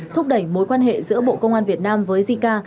thúc đẩy mối quan hệ giữa bộ công an việt nam với jica